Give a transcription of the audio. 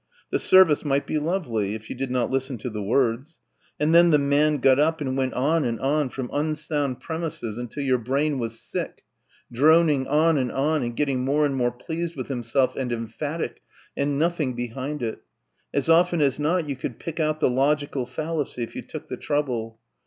The service might be lovely, if you did not listen to the words; and then the man got up and went on and on from unsound premises until your brain was sick ... droning on and on and getting more and more pleased with himself and emphatic ... and nothing behind it. As often as not you could pick out the logical fallacy if you took the trouble....